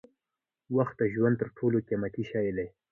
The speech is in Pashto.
وخت د ژوند تر ټولو قیمتي شی دی.